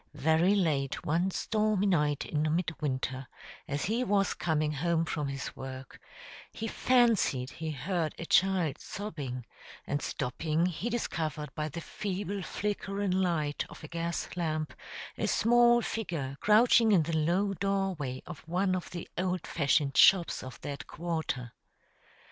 Very late one stormy night in midwinter, as he was coming home from his work, he fancied he heard a child sobbing, and stopping, he discovered by the feeble flickering light of a gas lamp a small figure crouching in the low doorway of one of the old fashioned shops of that quarter.